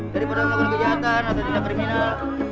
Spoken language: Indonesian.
daripada melakukan kejahatan atau tidak kriminal